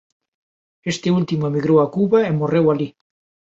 Este último emigrou a Cuba e morreu alí.